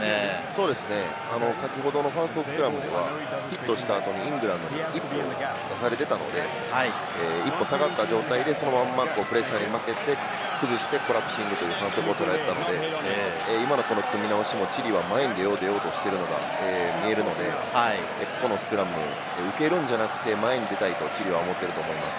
そうですね、先ほどのファーストスクラムでは、ヒットした後にイングランドに一歩押されていたので、一歩下がった状態でそのまんまプレッシャーに負けて崩して、コラプシングという反則を取られたので、今のこの組み直しもチリは前に出よう出ようとしているのが見えるので、このスクラム、受けるんじゃなくて、前に出たいとチリは思ってると思います。